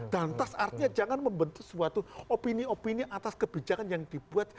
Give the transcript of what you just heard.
dan trust artinya jangan membentuk suatu opini opini atas kebijakan yang dibuat